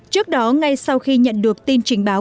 trước đó ngay sau khi nhận được tin trình báo